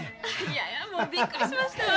嫌やもうびっくりしましたわ。